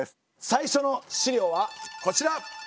最初の資料はこちら！